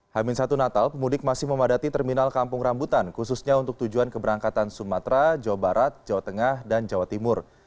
hamin satu natal pemudik masih memadati terminal kampung rambutan khususnya untuk tujuan keberangkatan sumatera jawa barat jawa tengah dan jawa timur